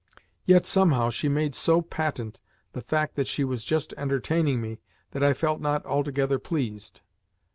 Yet somehow she made so patent the fact that she was just entertaining me that I felt not altogether pleased.